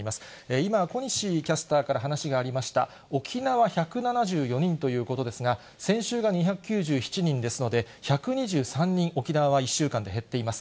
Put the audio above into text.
今、小西キャスターから話がありました、沖縄１７４人ということですが、先週が２９７人ですので、１２３人、沖縄は１週間で減っています。